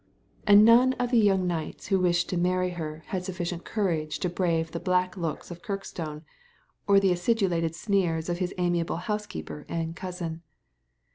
And none of the young knights who wished to marry her had sufficient courage to brave the black looks of Kirkstone, or the acidulated sneers of his amiable housekeeper and cousin.